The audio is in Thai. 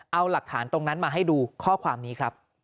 เอาหลักฐานตรงนั้นมาให้ดูข้อความนี้ครับ